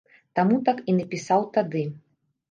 Таму так і напісаў тады.